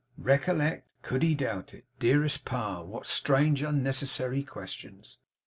Recollect! Could he doubt it! Dearest pa, what strange unnecessary questions!